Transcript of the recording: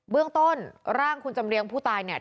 เรื่องต้นร่างคุณจำเรียงผู้ตายเนี่ย